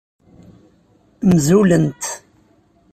Mzulent.